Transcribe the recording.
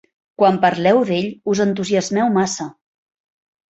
Quan parleu d'ell us entusiasmeu massa.